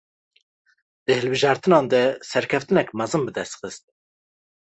Di hilbijartinan de serkeftinek mezin bi dest xist